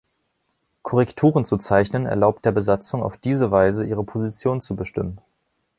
Korrekturen zu zeichnen, erlaubt der Besatzungen auf diese Weise, ihre Position zu bestimmen.